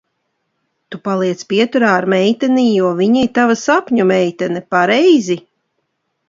Tu paliec pieturā ar meiteni, jo viņa ir tava sapņu meitene, pareizi?